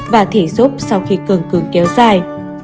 và thể giúp sau khi cường cường kéo dài